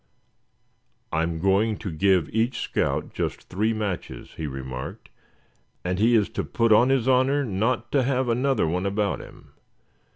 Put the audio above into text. "I'm going to give each scout just three matches," he remarked, "and he is put on his honor not to have another one about him.